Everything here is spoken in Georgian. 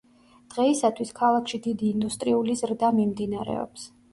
დღეისათვის ქალაქში დიდი ინდუსტრიული ზრდა მიმდინარეობს.